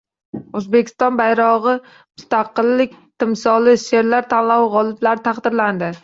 “O‘zbekiston bayrog‘i – mustaqillik timsoli” she’rlar tanlovi g‘oliblari taqdirlandi